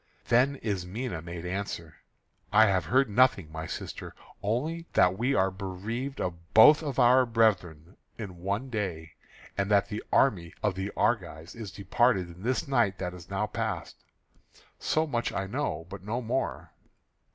Then Ismené made answer: "I have heard nothing my sister, only that we are bereaved of both of our brethren in one day, and that the army of the Argives is departed in this night that is now past. So much I know, but no more."